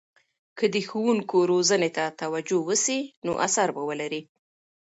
که د ښوونکو روزنې ته توجه وسي، نو اثر به ولري.